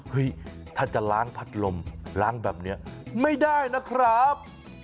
ถ้าจะล้างพัดลมล้างแบบนี้ไม่ได้นะครับ